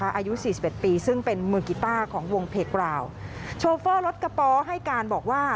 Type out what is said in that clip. อายุ๔๑ปีซึ่งเป็นมือกิต้าของวงเพลกราวโชฟ่อรถกระเพาะให้การบอกว่า